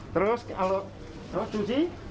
terus kalau cuci